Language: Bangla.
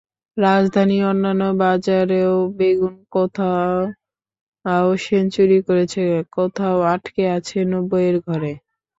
রাজধানীর অন্যান্য বাজারেও বেগুন কোথাও সেঞ্চুরি করেছে, কোথাও আটকে আছে নব্বইয়ের ঘরে।